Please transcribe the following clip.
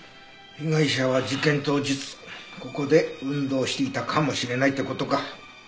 被害者は事件当日ここで運動していたかもしれないって事か。